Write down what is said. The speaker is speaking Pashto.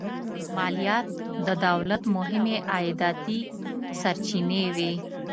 مالیات د دولت مهمې عایداتي سرچینې وې.